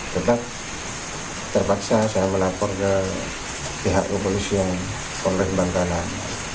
tetap terpaksa saya melapor ke pihak kepolisian polres bangkalan